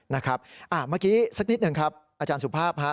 เมื่อกี้สักนิดหนึ่งครับอาจารย์สุภาพฮะ